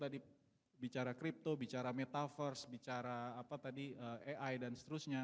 tadi bicara crypto bicara metaverse bicara apa tadi ai dan seterusnya